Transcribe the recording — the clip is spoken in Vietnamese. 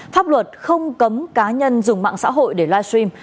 pháp luật không cấm cá nhân dùng mạng xã hội để live stream